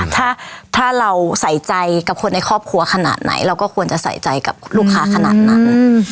ถ้าเราใส่ใจกับคนในครอบครัวขนาดไหนเราก็ควรจะใส่ใจกับลูกค้าขนาดนั้น